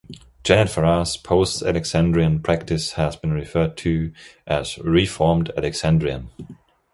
Janet Farrar's post-Alexandrian practice has been referred to as "Reformed Alexandrian".